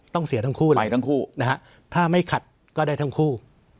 ต้องเสียทั้งคู่เลยถ้าไม่ขัดก็ได้ทั้งคู่